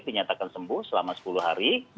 dinyatakan sembuh selama sepuluh hari